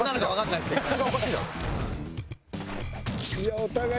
いやお互い